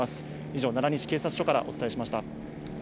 以上、奈良西警察署からお伝えしました。